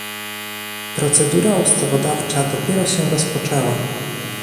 Procedura ustawodawcza dopiero się rozpoczęła